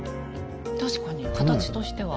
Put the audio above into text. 確かに形としては。